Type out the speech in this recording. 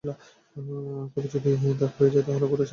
তবে যদি দাগ হয়ে যায় তাহলে গুঁড়া সাবান দিয়ে ধুয়ে নিতে হবে।